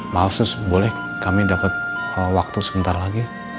maaf sus boleh kami dapat waktu sebentar lagi